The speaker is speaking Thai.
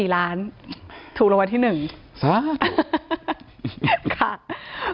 ๑๑๔ล้านถูกรางวัลที่๑สาธารณะถูก